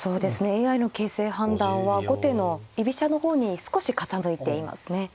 ＡＩの形勢判断は後手居飛車の方に少し傾いていますね。